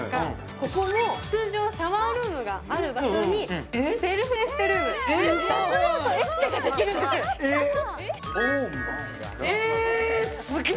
ここも通常シャワールームがある場所にセルフエステルーム脱毛とエステができるんですえ